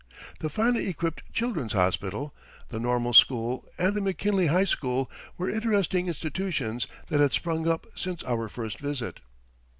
The finely equipped Children's Hospital, the Normal School, and the McKinley High School were interesting institutions that had sprung up since our first visit.